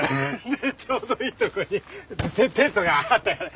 でちょうどいいとこにテントがあったから。